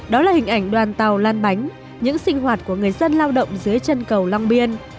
đó là hình ảnh đoàn tàu lan bánh những sinh hoạt của người dân lao động dưới chân cầu long biên